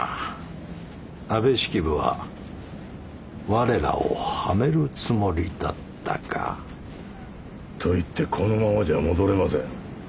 安部式部は我らをはめるつもりだったか。といってこのままじゃ戻れません。